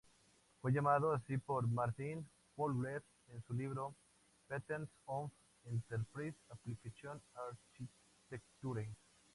Fue llamado así por Martin Fowler en su libro "Patterns of Enterprise Application Architecture".